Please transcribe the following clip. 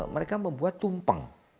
mereka membuat tumpeng